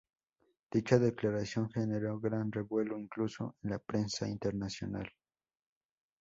Dicha declaración generó gran revuelo, incluso en la prensa internacional.